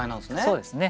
そうですね。